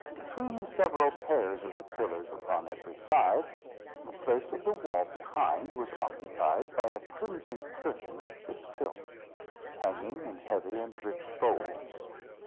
Between several pairs of the pillars upon every side, the place of the wall behind was occupied by a crimson curtain of thick silk, hanging in heavy and rich folds.